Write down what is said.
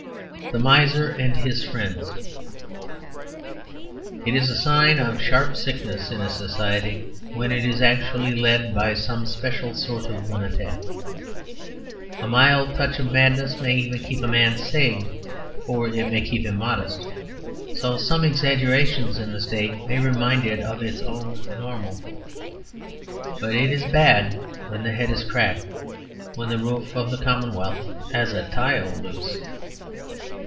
THE MISER AND HIS FRIENDS It is a sign of sharp sickness in a society when it is actually led by some special sort of lunatic. A mild touch of madness may even keep a man sane; for it may keep him modest. So some exaggerations in the State may remind it of its own normal. But it is bad when the head is cracked; when the roof of the commonwealth has a tile loose.